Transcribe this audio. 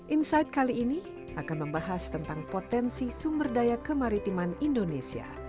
insight kali ini akan membahas tentang potensi sumber daya kemaritiman indonesia